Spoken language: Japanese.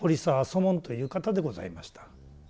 祖門という方でございました。